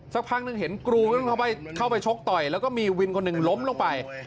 สักพักหนึ่งเห็นกรูเข้าไปชกต่อยแล้วก็มีวินคนหนึ่งล้มลงไป